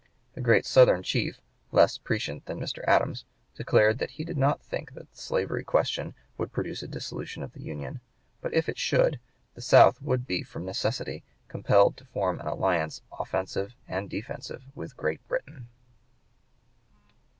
The great Southern chief, less prescient than Mr. Adams, declared that he did not think that the slavery question "would produce a dissolution of the Union; but if it should, the South would be from necessity compelled to form an alliance offensive and defensive with Great Britain."